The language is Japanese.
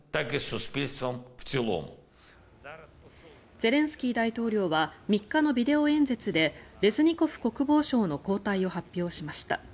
ゼレンスキー大統領は３日のビデオ演説でレズニコフ国防相の交代を発表しました。